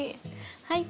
はい。